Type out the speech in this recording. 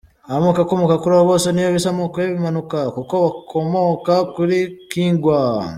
Amoko akomoka kuri aba bose niyo bise “amoko y’Ibimanuka” kuko bakomoka kuri Kigwa.